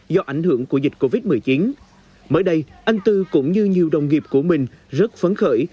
do ảnh hưởng của dịch covid một mươi chín mới đây anh tư cũng như nhiều đồng nghiệp của mình rất phấn khởi